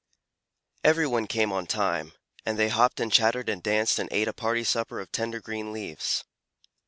Everyone came on time, and they hopped and chattered and danced and ate a party supper of tender green leaves.